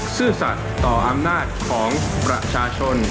ซื่อสัตว์ต่ออำนาจของประชาชน